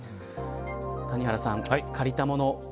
谷原さん、借りたもの